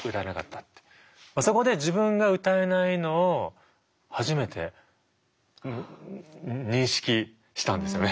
そこで自分が歌えないのを初めて認識したんですよね。